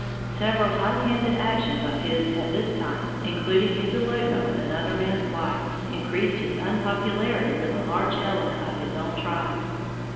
Several high handed actions of his at this time, including his elopement with another man's wife, increased his unpopularity with a large element of his own tribe.